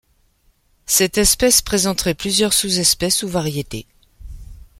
Cette espèce présenterait plusieurs sous-espèces ou variétés.